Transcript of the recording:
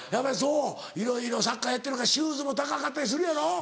いろいろサッカーやってるからシューズも高かったりするやろ？